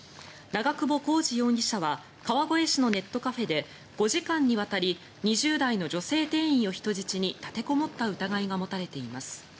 長久保浩二容疑者は川越市のネットカフェで５時間にわたり２０代の女性店員を人質に立てこもった疑いが持たれています。